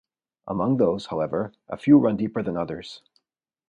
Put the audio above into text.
Among those, however, a few run deeper than others.